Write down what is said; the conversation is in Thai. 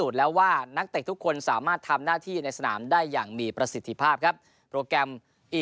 เค้าทุกเกมอะไรอย่างเงี้ยสำคัญหมด